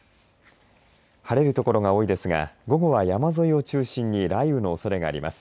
晴れる所が多いですが午後は山沿いを中心に雷雨のおそれがあります。